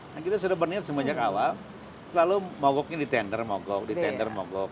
nah kita sudah berniat semenjak awal selalu mogoknya di tender mogok di tender mogok